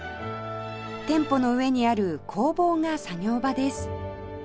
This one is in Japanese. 店舗の上にある工房が作業場です